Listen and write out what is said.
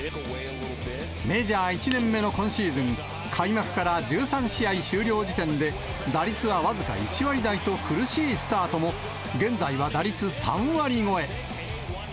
メジャー１年目の今シーズン、開幕から１３試合終了時点で、打率は僅か１割台と苦しいスタートも、現在は打率３割超え。